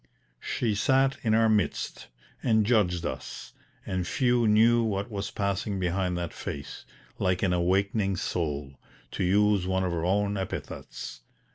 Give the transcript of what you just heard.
She sat in our midst, and judged us, and few knew what was passing behind that face "like an awakening soul," to use one of her own epithets.